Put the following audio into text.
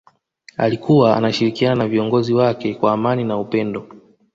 alikuwa anashirikiana na viongozi wake kwa amani na upendo